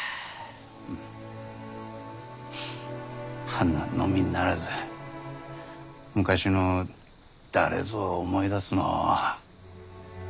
花のみならず昔の誰ぞを思い出すのう。